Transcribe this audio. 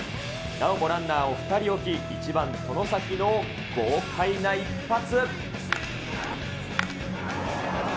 なおもランナーを２人置き、１番外崎の豪快な一発。